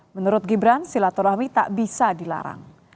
menurut gibran silaturahmi tak bisa dilarang